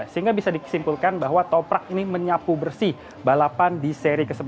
sehingga bisa disimpulkan bahwa toprak ini menyapu bersih balapan di seri ke sebelas